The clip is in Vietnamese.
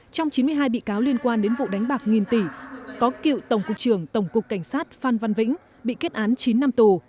trong chín mươi hai bị cáo liên quan đến vụ đánh bạc nghìn tỷ có cựu tổng cục trưởng tổng cục cảnh sát phan văn vĩnh bị kết án chín năm tù